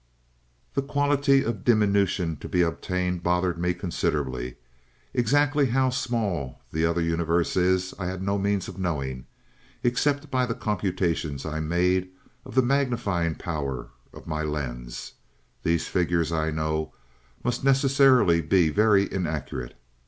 "The quantity of diminution to be obtained bothered me considerably. Exactly how small that other universe is, I had no means of knowing, except by the computations I made of the magnifying power of my lens. These figures, I know, must necessarily be very inaccurate.